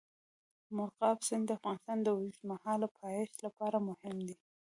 مورغاب سیند د افغانستان د اوږدمهاله پایښت لپاره مهم دی.